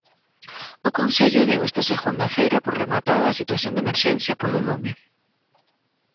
O Concello deu esta segunda feira por rematada a situación de emerxencia polo lume.